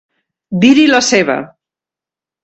Dir-hi la seva.